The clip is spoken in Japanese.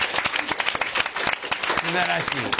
すばらしい。